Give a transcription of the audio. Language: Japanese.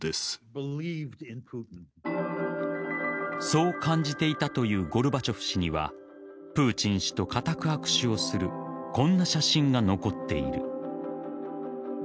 そう感じていたというゴルバチョフ氏にはプーチン氏と固く握手をするこんな写真が残っている。